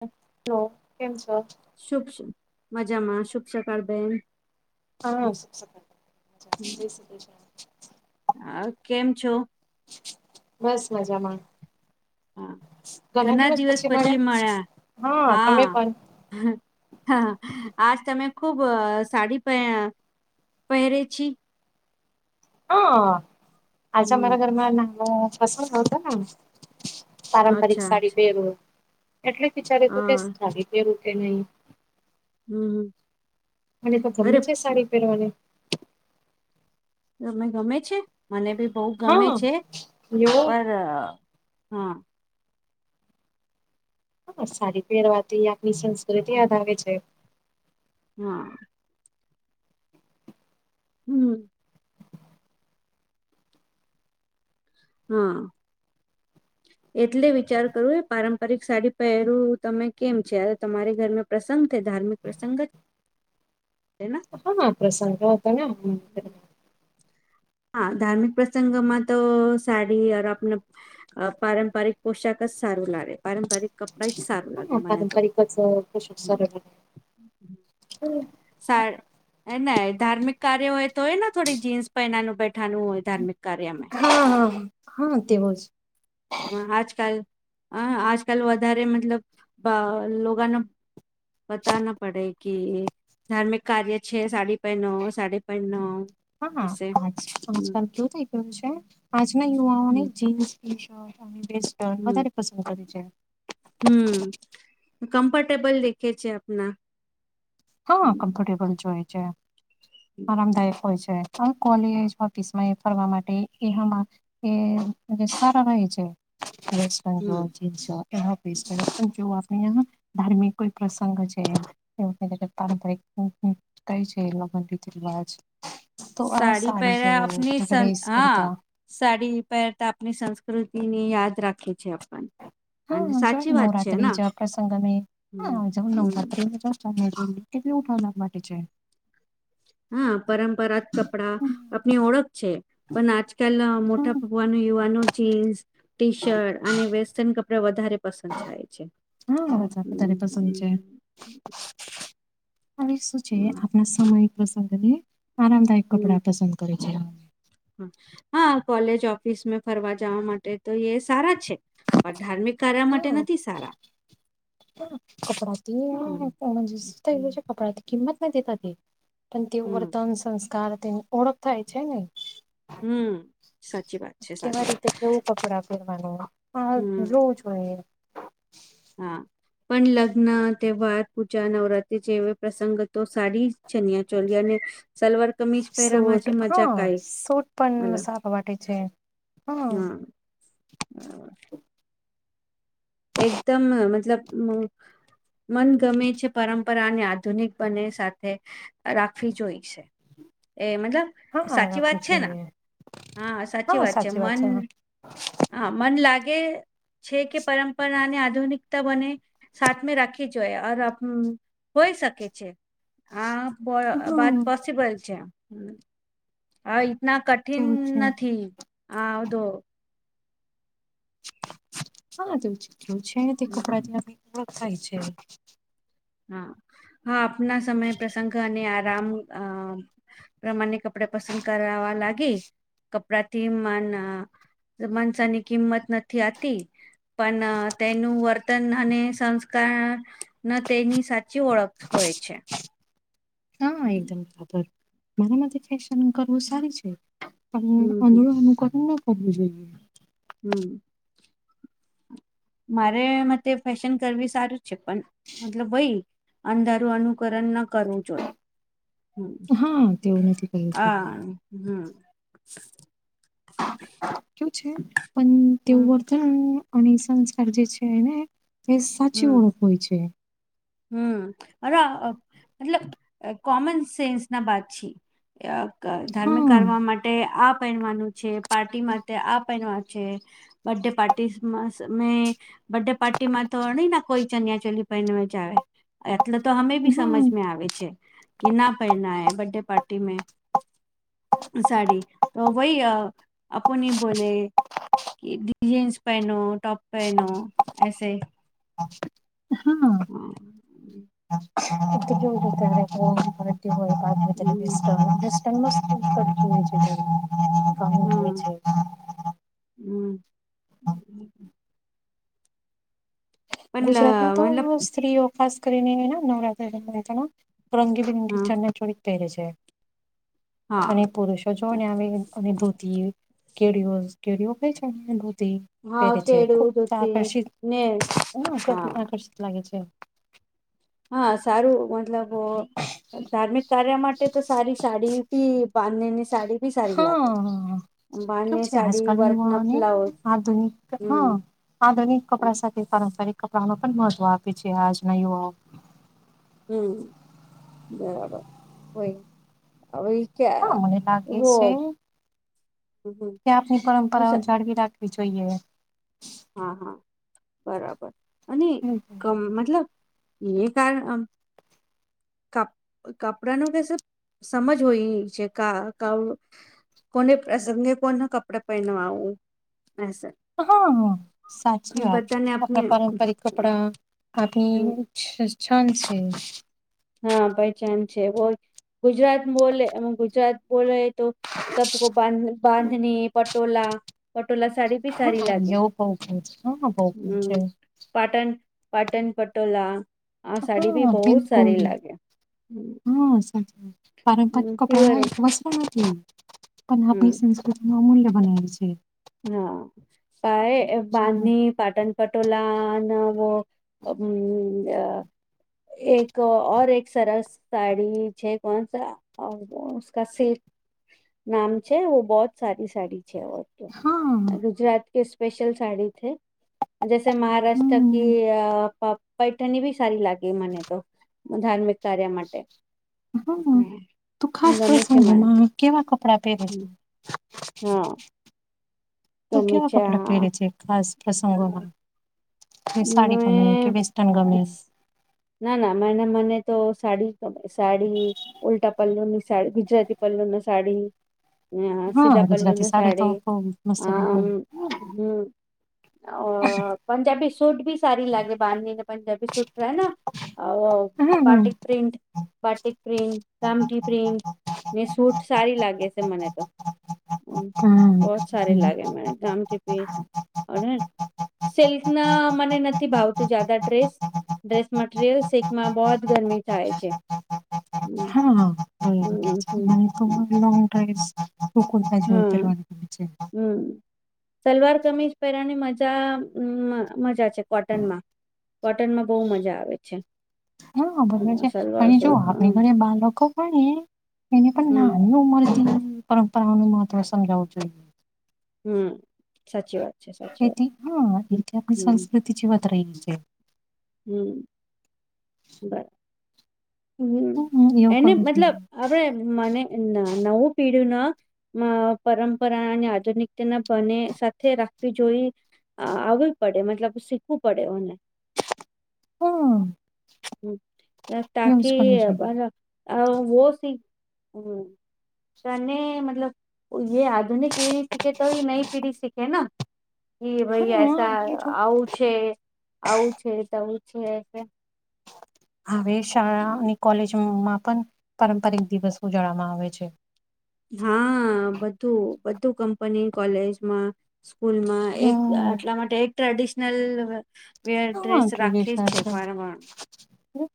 હ [inaudible] હ કેમ છો. શુભ મજામાં શુભ સકાળ બેહેન હા હ કેમ છો. બસ મજામાં. હા, ઘણા દિવસ પછી મળ્યા. હા, તમે પણ હ આજ, તમે ખુબ સાડી પ પહેરે છે. હા, આજે હમ અમારા ઘરમાં ના પસંદ આવતો ને પારંપરિક અચ્છા સાડી અચ્છા પહેરવ એટલે વિચારે તું કે હા સાડી પહેરું કે નહી હમ, હમ અને તો ગમે અરે છે, સાડી પહેરવાની તમે ગમે છે, મને બી બહુ ગમે હા છે, એવું પર હા હા, સારી પહેરવાથી આપની સંસ્કૃતિ યાદ આવે છે. હા. હમ હમ. એટલે વિચાર કરું એ પારંપરિક સાડી પહેરું તમે કેમ છે, તમારે ઘરને પ્રસંગે ધાર્મિક પ્રસંગ જ છે ને હા, પ્રસંગ હતો ને. હા, ધાર્મિક પ્રસંગ માં તો સાડી આપને પારંપરિક પોશાક જ સારું લાગે પારંપરિક ક રઈટ સાર હા, ના પારંપરિક કશું સર સાર. ધાર્મિક કાર્ય હોય તો એ ને થોડીક જીન્સ પહેનાનું બેઠાનું હોય ધાર્મિક કાર્યમે. હા, હા, હા તે બોલ. આજકાલ હ આજકાલ વધારે મતલબ લોકોગનો. બતાના પડે કે. ધાર્મિક કાર્ય છે સાડી પૈ નવ સાડ પૈ નવ. હા આજકાલ કેવુ થઈ ગયું છે આજના હમ યુવાઓને જીન્સ. ટી શર્ટ અને વેસ્ટર્ન હમ વધારે પસંદ કરે છે. હમ કમ્ફર્ટેબલ દેખે છે આપના. હા હમ કમ્ફર્ટેબલ જ હોય છે હમ આરામદાયક હોય છે. કોલેજ ઓફિસમાં એ ફરવા માટે એમાં એ સારા રહે છે. વક્સ્ટ હમ. બેંગલ. ધાર્મિક કોઈ પ્રસંગ છે. પારંપરિક છેન રી રવાજ. સાડી પહેરા આપની સ ડ્રેસ હા. કરતા સાડી પહેરતા આપણી સંસ્કૃતિની યાદ રાખે છે આપને. હા જો નવરાત્ર્રી જ પ્રસંગ મે હમ હા જ હમ નવરાત્રી જો. કેટલી ઉઠાવનાર માટે છે. હા પરંપરાત કપડા હમ, આપણી ઓળખ છે પણ આજકાલ મોટા. હા વ ન યુ નો ચેન્સ. ટી શર્ટ અને વેસ્ટર્ન કપડા વધારે પસંદ થાય છે. હ બ હમ તારી પસંદ છે. હ શું છે હમ આપણા સમય પ્રસંગને આરામદાયક હમ કપડા પસંદ કરે છે. હા કોલેજ ઓફિસ મે ફરવા જવા માટે તો એ સારા છે. પણ ધાર્મિક કાર્ય હા માટે નથી સારા. હા, કપડાથી હમ હમ કપડાથી કિંમત નથી. પણ તે હમ વર્તન સંસ્કાર તેની ઓળખ થાય છે ને. હમ સાચી વાત છે સાચી વાત. હ હમ જોવ છું એ. હા પણ લગ્ન તહેવાર પૂજા નવરાત્રી જે પ્રસંગ તો સારી. ચનિયા ચોલી અને સલવાર કમીજ પહેરામાં સૂટ જે મજાકાય હલો. વાે છે. હા હમ બરાબર. એકદમ મતલબ. મન ગમે છે પરંપરા અને આધુનિક બને સાથે રાખવી જોઈ છે. એ મતલબ હા સાચી વાત રાખવું છે ને જોઈએ હા સાચી વાત છે મન. હા મન લાગે છે કે પરમ. ની આધુનિકતા બને સાથમે રાખવી જોઈએ હોય શકે છે. આ વાત હા પોસિબલ છે. હા તના કઠિન તેવું છે નથી હ આવધો. હા તો ચીટું છે ને તે કપડા ઓળખ થાય છે. હા હા આપના સમય પ્રસંગ અને આરામ અ. પ્રમાણે કપડે પસંદ કરવાવા લાગી કપડાથી મન. માનસાની કિંમત નથી આતી. પણ તેનું વર્તન અને સંસ્કાર. ન તેની સાચી ઓળખ હોય છે. હા હમ એકદમ બરાબર મરા મ થ. કરવું હમ સારી છે પણ હમ આંધળું અનુકરણ ન કરવું જોઈએ હમ મારેમાં તે ફેશન કરવી સારું જ છે પણ મતલબ ભય અંધારું અનુકરણ ન કરવું જોઈ હમ હા તેવું નથી કરવું હ જોઈએ હમ કેવુ છે પણ હમ તેવું વર્તન અને સંસ્કાર જે છે એને એ સાચી ઓળખ હોય છે હમ્મ અરા મતલબ કોમન સેન્સ ના બાત છી ધર્મ હા કરવા માટે આ પહેનવાનું છે પાર્ટી માટે આ પહેનવા છે બર્થડે પાર્ટીમાં મે સે બર્ડે પાર્ટીમાં તો અણી ના કોઈ ચનિયા ચોલી પને જ આવે એટલે તો અમે બી સમજ મે હા આવે છે કે ના પહેનાય બર્થડે પાર્ટી મે સાડી તો વાઈ આપુ ની બોલે કે જીન્સ પહેનો ટોપ પહેનો એસે હમ્મ કેવું હોય હમ [unintelligible] મસ્ત [unintelligible] હમ્મ [inaudible] પણ લ ગુજરાતમાં તો મતલબ સ્ત્રીઓ ખાસ કરીને નવરાત્ર ની રાજામાં રંગીબિરંગી ચણિયાચોળી પહેરે છે અને હા. પુરુષો જો ને આવે અને ધોતીયુ કેડિયું હોયે [unintelligible] હા કેડિયું ધોતી ને ના અ હા આકર્ષિત લાગે છે હા સારું મતલબ ધાર્મિક કાર્ય માટે તો સારી સાડી ભી બાંધણી ની સાડી બી સારી લાગે. હા હ કે બાંધણી છે સાડી આજકાલ વર્ક ના યુવાને બ્લાઉઝ આધુનિક હમ હા આધુનિક કપડા સાથે પારંપરિક કપડા ન પણ મહત્વ આપે છે આજના યુવાઓ હમ્મ બરાબર હોય હ હા મને લાગે છે કે આપની પરંપરાઓ અચ્છા જાળવી રાખે રાખવી જોયે હા હા બરાબર અનેકમ મતલબ એ કાર કપ કપડા ન કે સમજ હોય છે કા ક કોને પ્રસંગે કોને કપડે પહેનવાવું એસ હા હા સાચી વાત આપને આપણા પારંપરિક કપડા આધી છ છાનસે હા પહેચાન છે હોય ગુજરાત બોલે એ ગુજરાત બોલે તો સબકો બાંધ બાંધણી પટોલા પટોલા સાડી બી સારી હા, લાગે એવું બહુ ગમે છે. હા બહુ ગમે છે હમ્મ પાટન પાટન પટોલા આ સાડી ભી બહુત કો હા સાચી વાત પારંપારિક કપડા હ પ્યોર એક વસ્ત્ર નથી પણ હમ આપની સંસ્કૃતિમાં અમૂલ્ય બનાલી છે હા પાાય બાંધની પાટણ પટોલા નવ અમ અમ આ એક ઔર એક સરસ સાડી છે કોનસા ઓર ઉસકા સિલ્ક નામ છે બહુત સારી સાડી છે હા ગુજરાત કે સ્પેશલ સાડી થે જૈસે મહારાષ્ટ્ર કિ હમ અ પૈઠણી બી સારી લાગે મને તો ધાર્મિક કાર્ય માટે હા હમ, તું ખાસ ગમે છે મને પ્રસમંગમાં કેવા કપડા પહેરે છે. હમ, હા. તોું ગમે કેવા છે કપડા પહેર આ છે ખાસ પ્રસંગોમાં કે સાડી ગમે કે મેં વેસ્ટર્ન ગમે. ના ના મને મને તો સાડી ગમે સાડી. ઉલ્ટા પલ્લો ની સાડી ગુજરાતી પલ્લોવ ના સાડી. અ હા સીધાપલ્લુ ગુજરાતી ન તો સાડી બહુ મસ્ત અ. હમ અ પંજાબી. સુટ ભી સારી લાગે બાંધનીને પંજાબી સુટ. હમ હમ પાટિક પ્રિન્ટટ. પ્રામટી પ્રિ ને સૂટ સારી લાગે છે, મને તો. હમ્મ, બહત સાર હમ્મ. લાગે મ ગામથીપી. સિલ્ક ના મને નથી ભાવતું જાદા ડ્રેસ. ડ્રેસ મટીરિયલ શીકમાં બહત ગરમી થાય છે. હમ [unintelligible] લંગ હમ હમ ડ્રાઈવ ટુકરતા જેતરવા હા છે. હમ. સલવાર કમીજ પહેરાની મજા મજા છે કોટનમાં. કોટનમાં બહુ મજા આવે છે. હબરોબર છે, સલવાર અને જો સૂટ આપણી હમ ઘરે બાળકો પણ. એને પણ હમ નાની ઉમર પરંપરાનું મહત્વ સમજાવવું જોઈએ. હમ સાચી વાત. છે સાચી વાત એથી હા હમ એથી આપણી હમ સંસ્કૃતિ બત્ર રહી છે. હમ્ બરા. હમ હમ્મ, એવું એને કરવું મતલબ જોઈએ. આપણેે મને નવું પીઢું ના. અ પરંપરા અને આધુનિકતાના બને સાથે રાખવી જોઈ. આવવી પડે મતલબ શીખવું પડેને. હા, હ એવું જ તાકી કરવું જોઈએ. વો સ હમ. ત મતલબ એ આધુનિક પીઢી સીખે તો નઈ પીઢી સીખે. એ ભાઈ હા, અને એસાા જો આવું છે, આવું છે, તોું છે. હવે શાળા અને કોલેજમાં પણ પારંપરિક દિવસ ઉજવવામાં આવે છે. હા બધું બધું કંપની કોલેજમાં. સ્કૂલમાં એક હમ્મ, આટલા માટે એક ટ્રેડિશનલ. બે હા ડ્રેસ રાખી જ ટ્રેડિશનલ છે, પંવાર.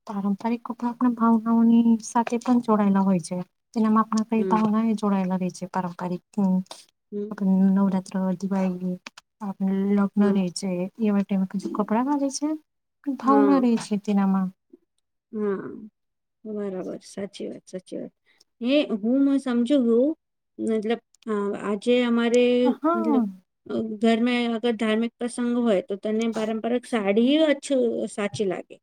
પારંપરિક કપડા આપણા ભાવનાઓની સાથે પણ જોડાયેલા હોય છે, જેનામાં આપણા. હમ ભાવના જોડાલા રહ છે, હમ પારંપરિક નવ. દિવાળી આપ લગ્ન હમ રે છે, એવામેીું કપડાં ખજે છે. હા ભાવના રહી છે, તેનેમામાં. હા બરાબર સાચી વાત સાચી વાત. હે હું સમજુું મતલબ આજે અમારે. આપ હા મતલબ. ઘરમે અગર ધાર્મિક પ્રસંગ હોય તો તને પારંપરિક સાડી સાચી લાગે.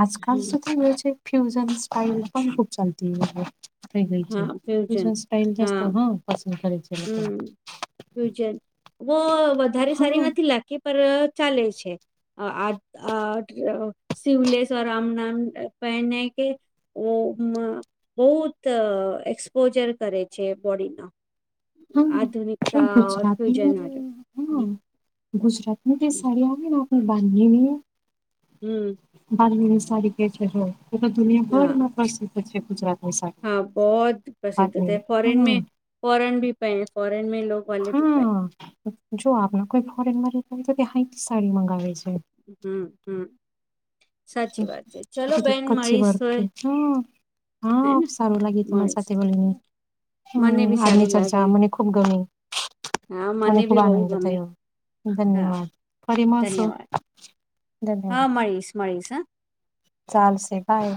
આજકાલ હમ સુધી વ છે, ફ્યુઝન સ્ટાાઈલ પણ ખૂબ ચાલતી. થઈ ગ છે, હા ત ફ્યુઝન સ્ટાઇલ જાસ્ત હા પસંદ કરે છે, લોકો. ફ્યુજન ઓ વધારે હા સારી હા નથી લાગતી પર ચાલે છે. આ શિવલેશવ રામ નામ પહેને કે. ઓ બહુત એક્સપોજર કરે છે, બોડીડીને. પણ આધુનિકતા ફ્યુજન હ. ગુજરાત ની તે સાડી આવે ને આપણે બાંધીની. હમ બાની સારી કે છે, એ હા દુનિયાભરમાં પ્રસિદ્ધ છે, ગુજરાત. હા બહુત પ્રસિદ્ધ થ ફોરેન હા મે ફોરેન ભી પ ફોરેન મે લોકો. હા જો આપણા કોઈ ફોરેન તો સાડી મંગાવે છે. હમ હમ સાચી વાત છે, ચલોો બેન મળીશ તોય. હમ હા સારું લાગે તમારી મળશે સાથે બોલીને. મને હમ બી આદની સારું લાગે ચર્ચા મને ખૂબ ગમ. હા મને ખૂબ બી બહુ આનંદ ગમે થયો હા ધન્યવાદ ફરી માસો. ધન્યવાદ હા મળીશ મળીશ હ. ચાલશે બાય.